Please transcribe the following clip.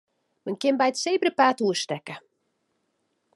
Men kin by it sebrapaad oerstekke.